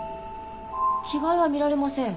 違いは見られません。